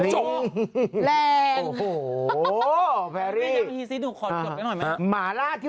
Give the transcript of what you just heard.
หมาล่าที่ว่าอร่อย